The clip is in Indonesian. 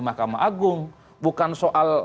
mahkamah agung bukan soal